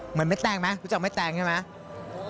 เหมือนเม็ดแตงรู้จักเม็ดแตงใช่ไหม